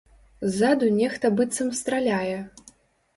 Ззаду нехта быццам страляе.